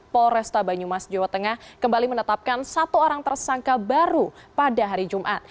polresta banyumas jawa tengah kembali menetapkan satu orang tersangka baru pada hari jumat